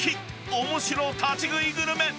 おもしろ立ち食いグルメ。